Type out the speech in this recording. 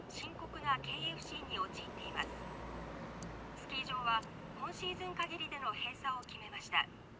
スキー場は今シーズン限りでの閉鎖を決めました。